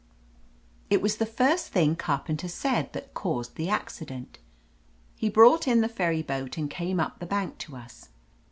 It was the first thing Carpenter said that caused the accident. He brought in the ferry boat and came up the bank to us.